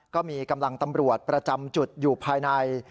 ก็มีกำลังตำรวจประจำจุดอยู่ภายใน